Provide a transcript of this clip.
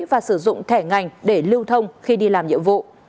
và sử dụng thẻ ngành để lưu thông khi đi làm nhiệm vụ